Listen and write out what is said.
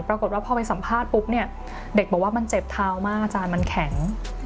ปรากฏว่าพอไปสัมภาษณ์ปุ๊บเนี่ยเด็กบอกว่ามันเจ็บเท้ามากอาจารย์มันแข็ง